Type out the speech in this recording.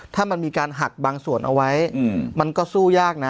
ถ้ามันมีการหักบางส่วนเอาไว้มันก็สู้ยากนะ